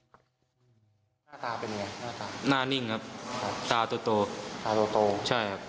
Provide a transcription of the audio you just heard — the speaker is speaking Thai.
หน้าตาเป็นไงหน้าตาหน้านิ่งครับครับตาโตตาโตใช่ครับ